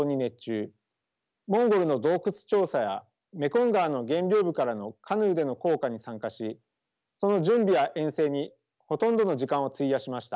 モンゴルの洞窟調査やメコン川の源流部からのカヌーでの航下に参加しその準備や遠征にほとんどの時間を費やしました。